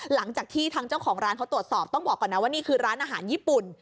หลังจากที่ทางเจ้าของร้านเขาตรวจสอบต้องบอกก่อนนะว่านี่คือร้านอาหารญี่ปุ่น